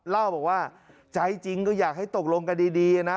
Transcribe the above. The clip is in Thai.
เล่าบอกว่าใจจริงก็อยากให้ตกลงกันดีนะ